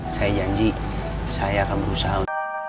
saya janji saya akan berusaha